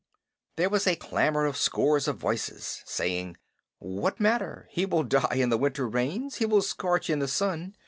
There was a clamor of scores of voices, saying: "What matter? He will die in the winter rains. He will scorch in the sun.